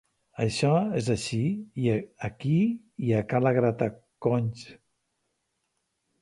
això és així aquí i a ca la grataconys